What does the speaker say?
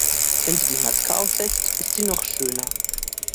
Wenn sie die Maske aufsetzt, ist sie noch schöner.